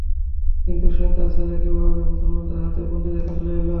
কিন্তু সে তার ছেলে ওহাবকে মুসলমানদের হাতে বন্দী রেখেই চলে এল।